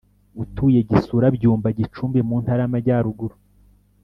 utuye gisura byumba gicumbi mu ntara yamajyaruguru